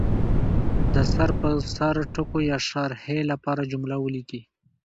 د سر په سر ټکو یا شارحې لپاره جمله ولیکي.